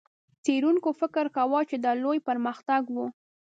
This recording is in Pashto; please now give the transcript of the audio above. څېړونکو فکر کاوه، چې دا یو لوی پرمختګ و.